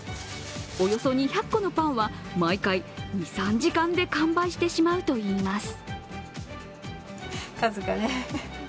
およそ２００個のパンは毎回２３時間で完売してしまうといいます。